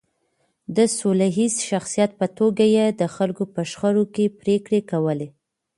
د سوله ییز شخصیت په توګه یې د خلکو په شخړو کې پرېکړې کولې.